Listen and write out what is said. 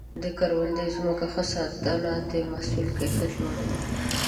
د کروندې ځمکې ښه ساتنه د محصول کیفیت لوړوي.